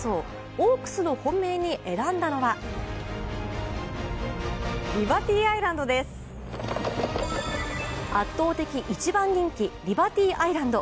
オークスの本命に選んだのは圧倒的１番人気リバティアイランド。